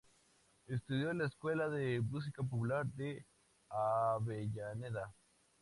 Estudió en la Escuela de Música Popular de Avellaneda.